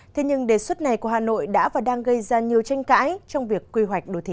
thế nhưng đề xuất này của hà nội đã và đang gây ra nhiều tranh cãi trong việc quy hoạch đô thị